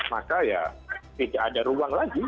maka ya tidak ada ruang lagi